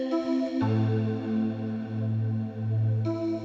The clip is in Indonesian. jangan nanti kamu pungu